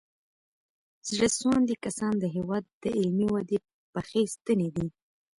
زړه سواندي کسان د هېواد د علمي ودې پخې ستنې دي.